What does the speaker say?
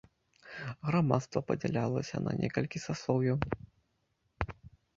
Грамадства падзялялася на некалькі саслоўяў.